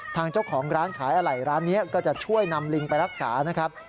ทางเจ้าของร้านขายอะไหล่ร้านนี้ก็จะช่วยนำลิงไปรักษานะครับ